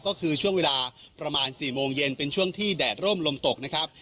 ก็คือช่วงเวลาประมาณ๔โมงเย็นเป็นช่วงที่แดดร่มลมตกนะครับ